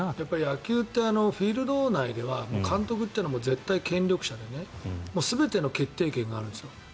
野球ってフィールド内では監督っていうのは絶対権力者で全ての決定権があるんですよ。